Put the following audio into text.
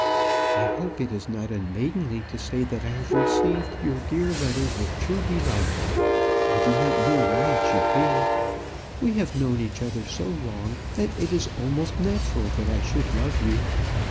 I hope it is not unmaidenly to say that I have received your dear letter with true delight; I do not know why it should be. We have known each other so long, that it is almost natural that I should love you.